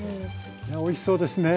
おいしそうですね。